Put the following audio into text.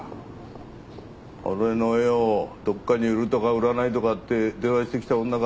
俺の絵をどっかに売るとか売らないとかって電話してきた女か。